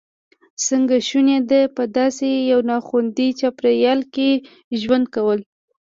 څنګه شونې ده په داسې یو ناخوندي چاپېریال کې ژوند کول.